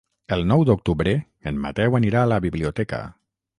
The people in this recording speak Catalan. El nou d'octubre en Mateu anirà a la biblioteca.